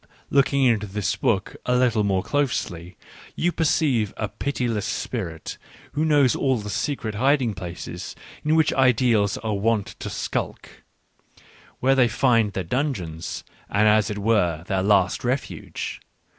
... Looking into this book a little more closely, you perceive a pitiless spirit who knows all the secret hiding places in which ideals are wont to skulk — where they find their dungeons, and, as it were, their last refuge.